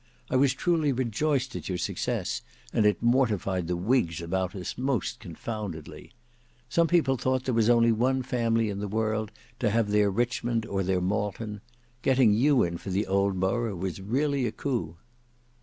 I was truly rejoiced at your success, and it mortified the whigs about us most confoundedly. Some people thought there was only one family in the world to have their Richmond or their Malton. Getting you in for the old borough was really a coup."